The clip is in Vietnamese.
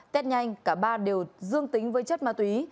tết nhanh cả ba đều dương tính với chất ma túy